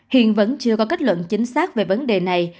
hiện vẫn chưa có kết luận chính xác về vấn đề này